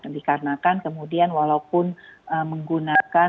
dikarenakan kemudian walaupun menggunakan